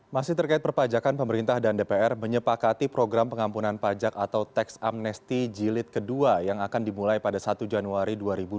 masih terkait perpajakan pemerintah dan dpr menyepakati program pengampunan pajak atau tax amnesti jilid kedua yang akan dimulai pada satu januari dua ribu dua puluh